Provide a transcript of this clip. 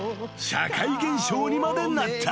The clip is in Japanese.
［社会現象にまでなった］